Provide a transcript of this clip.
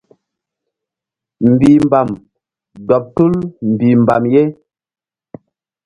Mbih mbam dɔm tul mbihmbam ye.